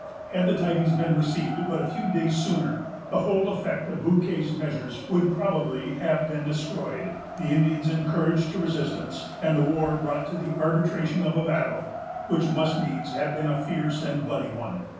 Had the tidings been received but a few days sooner, the whole effect of Bouquet's measures would probably have been destroyed, the Indians encouraged to resistance, and the war brought to the arbitration of a battle, which must needs have been a fierce and bloody one.